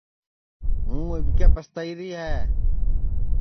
ہُوں اِٻکے پستائیری ہے